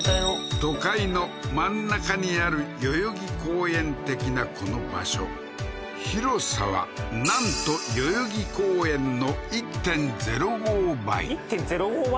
都会の真ん中にある代々木公園的なこの場所広さはなんと代々木公園の１．０５倍１．０５倍？